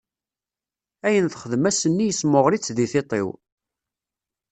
Ayen texdem ass-nni yessemɣer-itt deg tiṭ-iw.